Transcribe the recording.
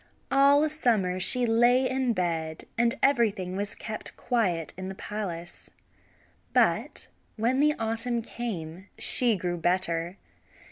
All summer she lay in bed, and everything was kept quiet in the palace; but when the autumn came she grew better.